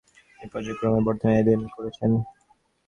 পরে ইংরেজরা ক্রয় করে বর্তমান এডেন করেছেন।